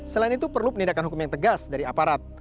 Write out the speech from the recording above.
selain itu perlu penindakan hukum yang tegas dari aparat